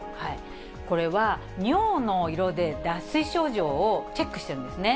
これは尿の色で脱水症状をチェックしてるんですね。